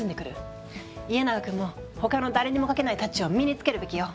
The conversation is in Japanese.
家長くんも他の誰にも描けないタッチを身につけるべきよ。